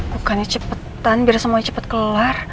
bukannya cepetan biar semuanya cepet keluar